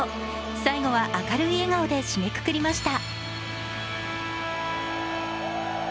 最後は明るい笑顔で締めくくりました。